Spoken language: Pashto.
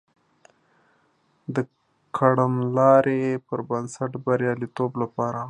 د کړنلاري پر بنسټ د بریالیتوب لپاره